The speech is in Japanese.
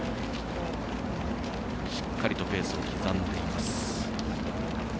しっかりとペースを刻んでいます。